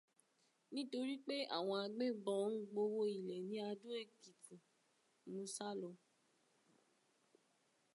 Nítorí pé àwọn agbébọn ń gbowó ilẹ̀ ní Adó Èkìtì, mo sálọ